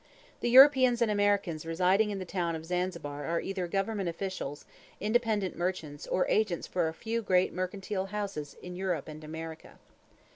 The Europeans and Americans residing in the town of Zanzibar are either Government officials, independent merchants, or agents for a few great mercantile houses in Europe and America.